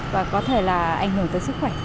và có thể là ảnh hưởng tới sức khỏe